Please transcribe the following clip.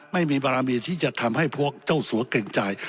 ไม่มีบารมีที่จะทำให้พวกเจ้าสัวเกรงใจ